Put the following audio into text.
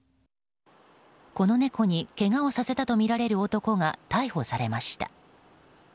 この猫にけがをさせたとみられる男が逮捕されました。